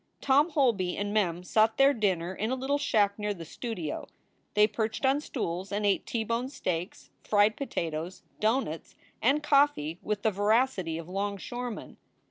Tom Holby and Mem sought their dinner in a little shack near the studio. They perched on stools and ate T bone steaks, fried potatoes, doughnuts, and coffee with the voracity of longshoremen.